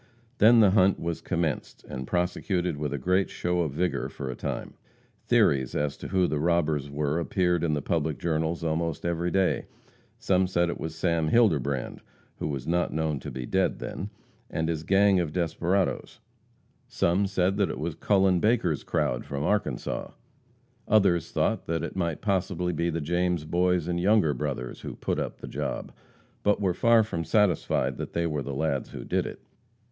Then the hunt was commenced, and prosecuted with a great show of vigor for a time. Theories as to who the robbers were appeared in the public journals almost every day. Some said it was Sam Hilderbrand who was not known to be dead then and his gang of desperadoes; some said that it was Cullen Baker's crowd from Arkansas; others thought it might possibly be the James Boys and Younger Brothers who "put up the job," but were far from satisfied that they "were the lads who did it."